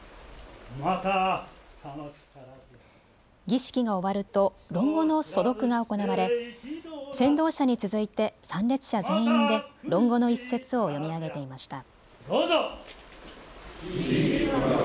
儀式が終わると論語の素読が行われ先導者に続いて参列者全員で論語の一節を読み上げていました。